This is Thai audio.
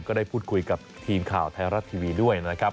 ก็ได้พูดคุยกับทีมข่าวไทยรัฐทีวีด้วยนะครับ